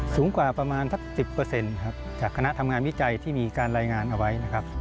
สูงกว่าประมาณสัก๑๐ครับจากคณะทำงานวิจัยที่มีการรายงานเอาไว้นะครับ